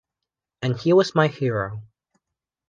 And he was my hero.